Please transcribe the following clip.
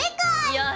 よし！